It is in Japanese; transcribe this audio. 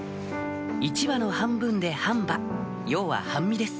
１羽の半分で半羽要は半身です